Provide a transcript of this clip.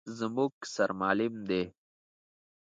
_زموږ سر معلم دی.